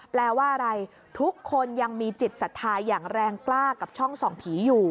แปลว่าอะไรทุกคนยังมีจิตศรัทธาอย่างแรงกล้ากับช่องส่องผีอยู่